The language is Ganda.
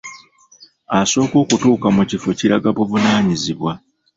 Asooka okutuuka mu kifo kiraga buvunaanyizibwa.